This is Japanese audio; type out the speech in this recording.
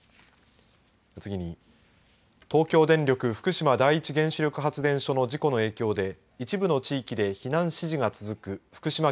次に、東京電力福島第一原子力発電所の事故の影響で一部の地域で避難指示が続く福島県